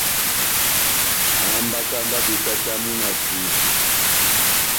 Hambaka mba betatamu na fufu.